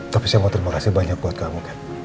tapi saya mau terima kasih banyak buat kamu kan